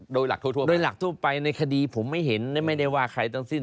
โดยหลักทั่วในคดีผมไม่เห็นไม่ได้ว่าใครตั้งสิ้น